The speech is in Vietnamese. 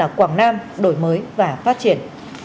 chủ đề sáu quảng nam đổi mới và phát triển